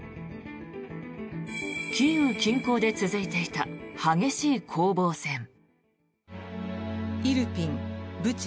キーウ近郊で続いていた激しい攻防戦。